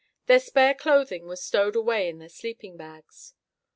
Their spare clothing was stowed away in their sleeping bags.